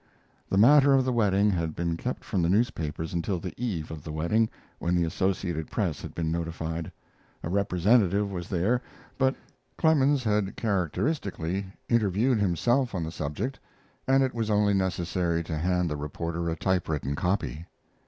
The matter of the wedding had been kept from the newspapers until the eve of the wedding, when the Associated Press had been notified. A representative was there; but Clemens had characteristically interviewed himself on the subject, and it was only necessary to hand the reporter a typewritten copy.